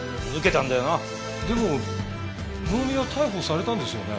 でも能見は逮捕されたんですよね？